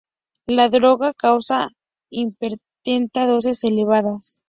La droga causa hipertermia a dosis elevadas.